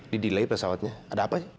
didelay pesawatnya ada apa aja